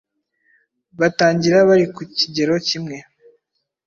batangira bari ku kigero kimwe,